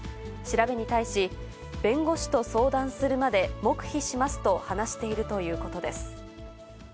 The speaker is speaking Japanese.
調べに対し、弁護士と相談するまで黙秘しますと話しているということです。